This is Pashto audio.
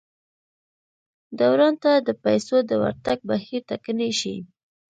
دوران ته د پیسو د ورتګ بهیر ټکنی شي.